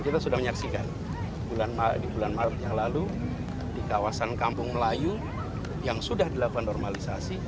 kita sudah menyaksikan di bulan maret yang lalu di kawasan kampung melayu yang sudah dilakukan normalisasi